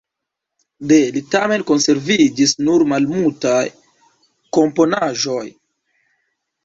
De li tamen konserviĝis nur malmultaj komponaĵoj.